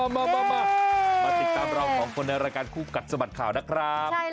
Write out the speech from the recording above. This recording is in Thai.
มามาติดตามเราสองคนในรายการคู่กัดสะบัดข่าวนะครับ